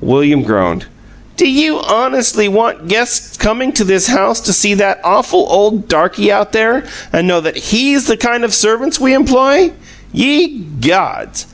William groaned. "Do you honestly want guests coming to this house to see that awful old darky out there and know that HE'S the kind of servants we employ? Ye gods!"